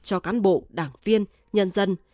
cho cán bộ đảng viên nhân dân